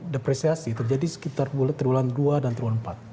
depresiasi terjadi sekitar tiga bulan dua dan tiga bulan empat